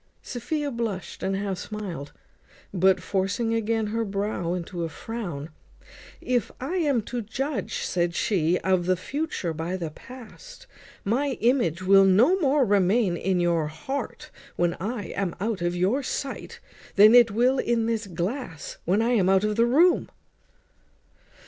Sophia blushed and half smiled; but, forcing again her brow into a frown "If I am to judge," said she, "of the future by the past, my image will no more remain in your heart when I am out of your sight, than it will in this glass when I am out of the room."